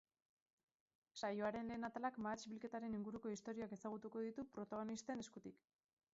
Saioaren lehen atalak mahats bilketaren inguruko istorioak ezagutuko ditu protagonisten eskutik.